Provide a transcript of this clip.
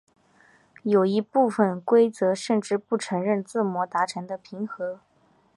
有一部分规则甚至不承认自摸达成的平和。